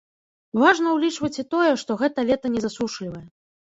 Важна ўлічваць і тое, што гэта лета не засушлівае.